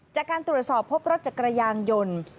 จากการตรวจสอบพบรถจักรยานยนต์